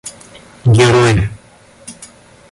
герой